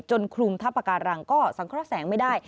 คลุมทัพการังก็สังเคราะห์แสงไม่ได้